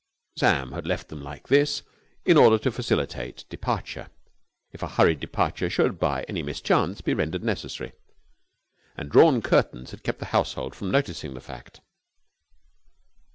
Sam had left them like this in order to facilitate departure, if a hurried departure should by any mischance be rendered necessary, and drawn curtains had kept the household from noticing the fact.